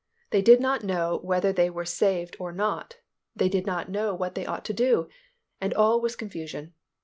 They did not know whether they were saved or not; they did not know what they ought to do, and all was confusion.